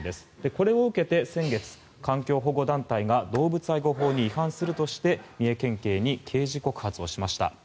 これを受けて先月環境保護団体が動物愛護法に違反するとして三重県警に刑事告発をしました。